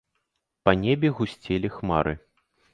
Па небе гусцелі хмары.